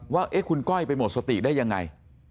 ว่าคุณก้อยไปหมดสติได้ยังไง